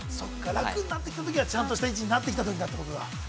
◆楽になってくるときはちゃんとした位置になってきたときだということだ。